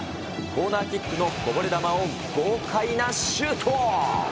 コーナーキックのこぼれ球を豪快なシュート。